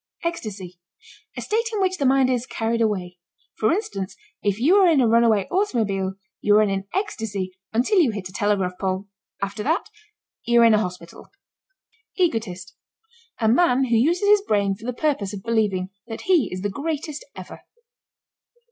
ECSTASY. A state in which the mind is carried away. For instance, if you are in a runaway automobile, you are in ecstasy until you hit a telegraph pole; after that you're in a hospital. EGOTIST. A man who uses his brain for the purpose of believing that he is the greatest ever.